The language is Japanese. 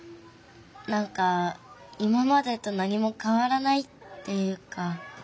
なんか今までと何もかわらないっていうか。